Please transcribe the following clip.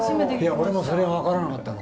俺もそれは分からなかったの。